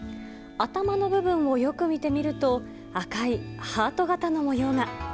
頭の部分をよく見てみると、赤いハート形の模様が。